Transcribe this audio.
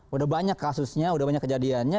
sudah banyak kasusnya sudah banyak kejadiannya